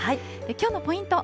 きょうのポイント